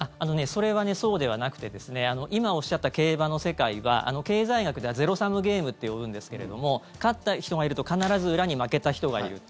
それはそうではなくて今、おっしゃった競馬の世界は経済学ではゼロサムゲームって呼ぶんですけれども勝った人がいると必ず、裏に負けた人がいる。